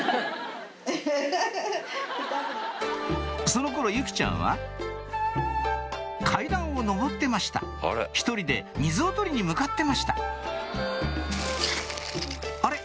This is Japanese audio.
その頃由季ちゃんは階段を上ってました１人で水を採りに向かってましたあれ？